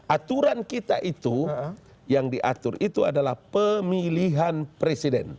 aturan kita itu yang diatur itu adalah pemilihan presiden